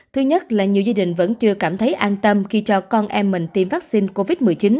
thứ nhất là nhiều gia đình vẫn chưa cảm thấy an tâm khi cho con em mình tiêm vaccine covid một mươi chín